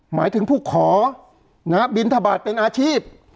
หมายถึงผู้ขอนะครับบิณฑบาตเป็นอาชีพ